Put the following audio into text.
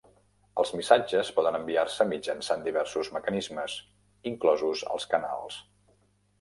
Els missatges poden enviar-se mitjançant diversos mecanismes, inclosos els canals.